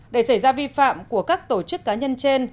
để xảy ra vi phạm của các tổ chức cá nhân trên